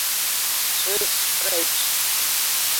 Swiss French